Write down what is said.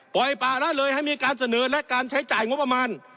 ป่าละเลยให้มีการเสนอและการใช้จ่ายงบประมาณ